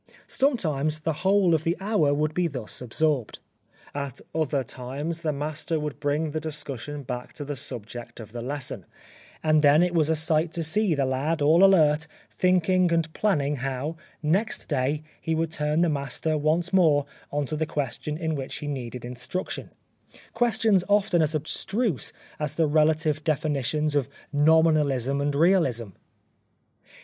Sometimes the whole of the hour would be thus absorbed. At other times the master would bring the discussion back to the subject of the lesson, and then it was a sight to see the lad, all alert, thinking and planning III The Life of Oscar Wilde how, next day, he could turn the master once more on to the question in which he needed instruction — questions often as obstruse as the relative definitions of nominalism and realism.